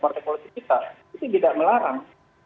itu tidak melarang